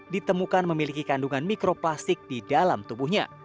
ditemukan memiliki kandungan mikroplastik di dalam tubuhnya